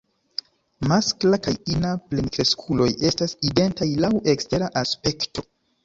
Maskla kaj ina plenkreskuloj estas identaj laŭ ekstera aspekto.